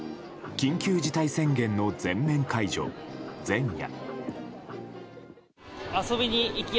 緊急事態宣言の全面解除前夜。